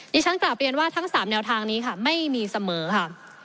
ฉันกลับเรียนว่าทั้ง๓แนวทางนี้ค่ะไม่มีเสมอค่ะ